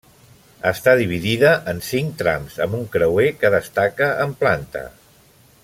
Està dividida en cinc trams, amb un creuer que destaca en planta.